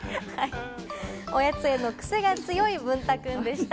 おやつへの癖が強いぶんた君でした。